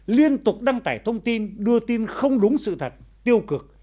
liên tục đăng tải thông tin đưa tin không đúng sự thật tiêu cực